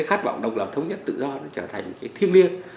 khát vọng độc lập thống nhất tự do trở thành thiêng liêng